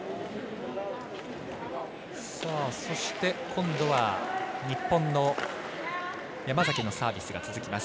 今度は日本の山崎のサービスが続きます。